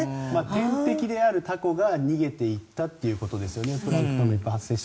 天敵であるタコが逃げていったということですね。